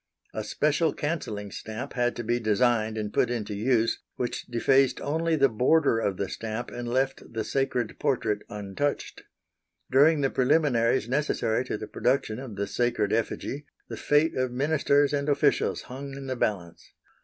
A special cancelling stamp had to be designed and put into use which defaced only the border of the stamp and left the sacred portrait untouched. During the preliminaries necessary to the production of the sacred effigy the fate of ministers and officials hung in the balance.